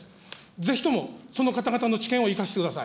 ぜひとも、その方々の知見を生かしてください。